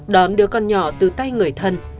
đón đứa con nhỏ từ tay người thân